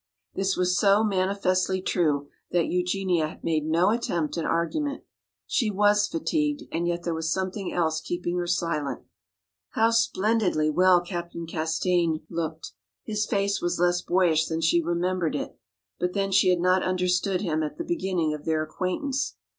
This was so manifestly true that Eugenia made no attempt at argument. She was fatigued, and yet there was something else keeping her silent. How splendidly well Captain Castaigne looked! His face was less boyish than she remembered it. But then she had not understood him at the beginning of their acquaintance.